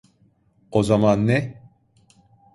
O zaman ne?